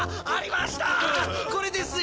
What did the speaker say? これですよ！